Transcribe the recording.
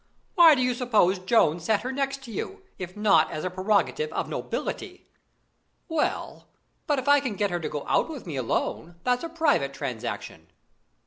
"Why do you suppose Jones sat her next to you, if not as a prerogative of nobility?" "Well, but if I can get her to go out with me alone, that's a private transaction."